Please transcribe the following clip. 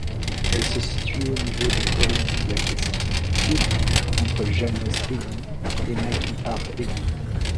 Elle se situe au niveau du col de Budakeszi út, entre János-hegy et Nagy-Hárs-hegy.